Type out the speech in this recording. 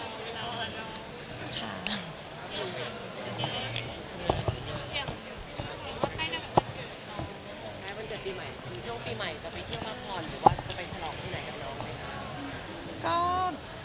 มันจะปีใหม่หรือช่วงปีใหม่จะไปที่พระพรหรือว่าจะไปฉลองที่ไหนกับเราไหมค่ะ